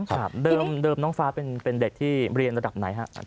ครับเดิมน้องฟ้าเป็นเด็กที่เรียนระดับไหนฮะ